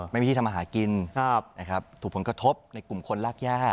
ไม่มีที่ทำอาหารกินนะครับถูกผลกระทบในกลุ่มคนรากย่า